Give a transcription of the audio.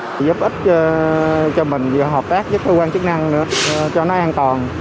giúp ích cho mình giúp hợp tác với cơ quan chức năng nữa cho nó an toàn